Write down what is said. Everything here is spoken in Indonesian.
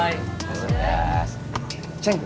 siapa juga yang mau foto sama kamu